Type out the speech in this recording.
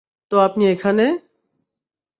তো আপনি এখানে?